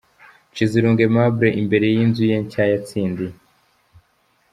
Nshizirungu Aimable imbere y'inzu ye nshya yatsindiye.